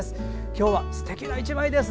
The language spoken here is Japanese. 今日はすてきな１枚です。